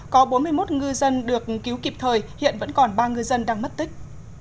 có bốn mươi một ngư dân được cứu kịp thời hiện vẫn còn ba ngư dân đang mất tích